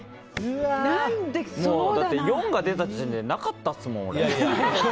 ４が出た時点でなかったっすもん。